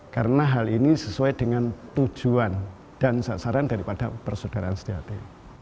karena hal ini sesuai dengan tujuan dan sasaran daripada persaudaraan setia hati